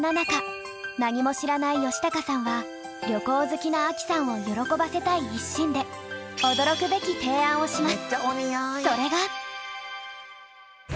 そんな中旅行好きなアキさんを喜ばせたい一心で驚くべき提案をします。